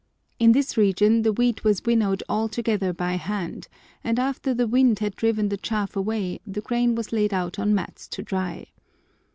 In this region the wheat was winnowed altogether by hand, and after the wind had driven the chaff away, the grain was laid out on mats to dry.